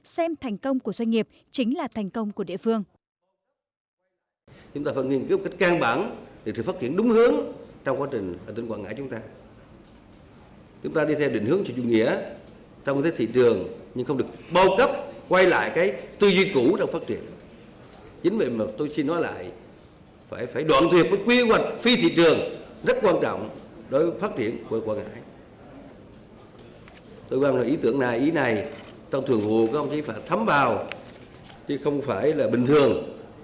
xem thành công của doanh nghiệp chính là thành công của địa phương